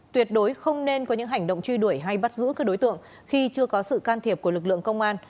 tuyệt đối không nên có những hành động truy đuổi hay bắt giữ các đối tượng khi chưa có sự can thiệp của lực lượng công an